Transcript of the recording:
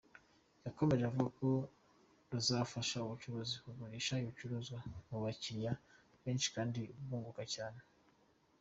Yakomeje avuga ko ruzafasha abacuruzi kugurisha ibicuruzwa ku bakiriya benshi, kandi bakunguka cyane.